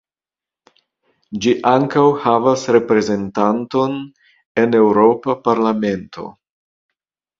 Ĝi ankaŭ havas reprezentanton en Eŭropa Parlamento.